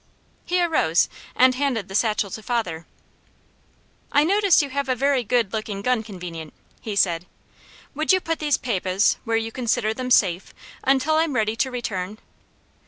He arose and handed the satchel to father. "I notice you have a very good looking gun convenient," he said. "Would you put these papahs where you consider them safe until I'm ready to return?